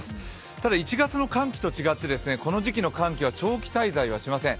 ただ１月の寒気と違って、この時期の寒気は長期滞在はしません。